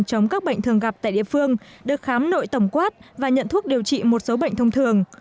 chống các bệnh thường gặp tại địa phương được khám nội tổng quát và nhận thuốc điều trị một số bệnh thông thường